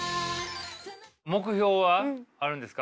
目標はあるんですか？